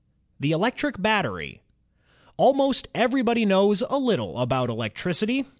The Electric Battery Almost everybody knows a little about electricity.